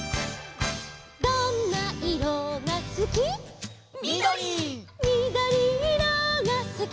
「どんないろがすき」「みどり」「みどりいろがすき」